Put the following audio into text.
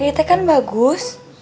yt kan bagus